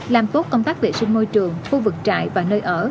làm tốt công tác vệ sinh môi trường khu vực trại và nơi ở